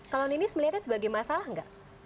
kalau ninis melihatnya sebagai masalah nggak